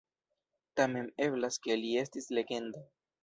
Tamen eblas ke li estis legenda.